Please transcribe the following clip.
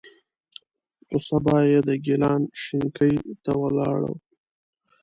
په سبا یې د ګیلان شینکۍ ته ولاړو.